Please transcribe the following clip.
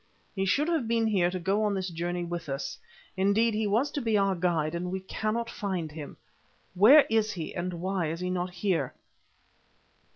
He should have been here to go on this journey with us; indeed, he was to be our guide and we cannot find him. Where is he and why is he not here?"